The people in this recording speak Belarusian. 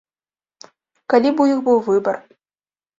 Калі б у іх быў выбар.